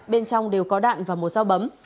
bên trong đều có đạn và một dao bấm